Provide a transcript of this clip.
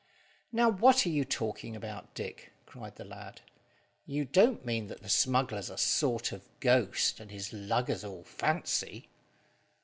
"Now, what are you talking about, Dick?" cried the lad. "You don't mean that the smuggler's a sort of ghost, and his lugger's all fancy?"